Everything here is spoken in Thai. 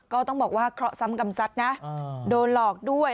ก็ต้องบอกว่าเคราะห์กำซัดนะโดนหลอกด้วย